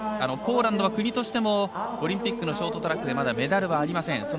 ポーランドは国としてもオリンピックのショートトラックでメダルはありません。